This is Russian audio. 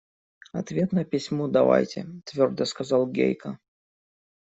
– Ответ на письмо давайте, – твердо сказал Гейка.